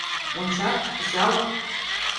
Ончат, кычалыт.